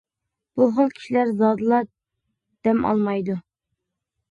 بۇ خىل كىشىلەر زادىلا دەم ئالمايدۇ.